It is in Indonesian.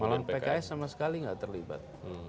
malah pks sama sekali nggak terlibat